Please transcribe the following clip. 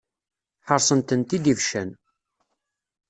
Ḥaṛṣen-tent-id ibeccan.